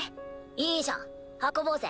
いいじゃん運ぼうぜ。